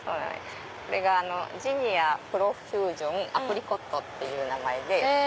これがジニアプロフュージョンアプリコットっていう名前で。